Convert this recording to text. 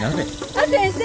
あっ先生。